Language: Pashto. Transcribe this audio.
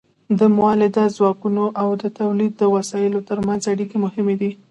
د مؤلده ځواکونو او د تولید د وسایلو ترمنځ اړیکې مهمې دي.